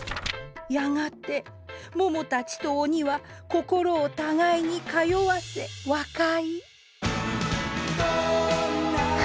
やがてももたちと鬼は心を互いに通わせ和解